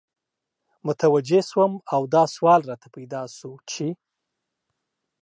متوجه سوم او دا سوال راته پیدا سو چی